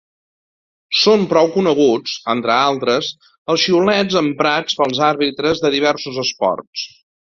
Són prou coneguts, entre altres, els xiulets emprats pels àrbitres de diversos esports.